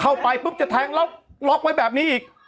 เข้าไปปุ๊บจะแทงแล้วล็อกไว้แบบนี้อีก